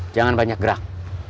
jangan banyak gerak